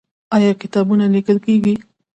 آیا کتابونه لیکل کیږي؟